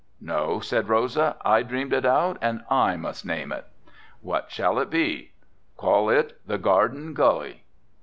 "No," said Rosa, "I dreamed it out and I must name it." "What shall it be?" "Call it the Garden Gully."